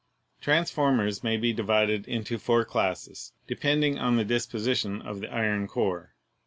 Transformers may be divided into four classes, de pending on the disposition of the iron core.